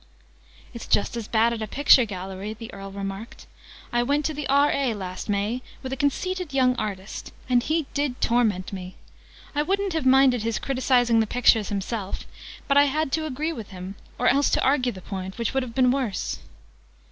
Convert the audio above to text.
"It's just as bad at a picture gallery," the Earl remarked. "I went to the R.A. last May, with a conceited young artist: and he did torment me! I wouldn't have minded his criticizing the pictures himself: but I had to agree with him or else to argue the point, which would have been worse!"